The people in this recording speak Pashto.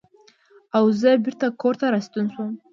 او زۀ بېرته کورته راستون شوم ـ